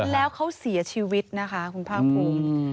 แล้วเขาเสียชีวิตนะคะคุณภาคภูมิ